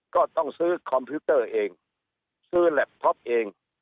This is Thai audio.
ก็ต้องซื้อคอมพิวเตอร์เองซื้อแล็บทท็อปเอง